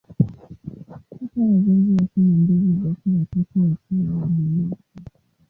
Hata wazazi wake na ndugu zake watatu wakawa wamonaki.